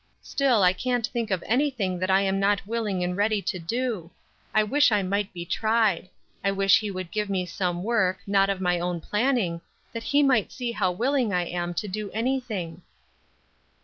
Still, I can't think of anything that I am not willing and ready to do. I wish I might be tried; I wish He would give me some work, not of my own planning, that He might see how willing I am to do anything."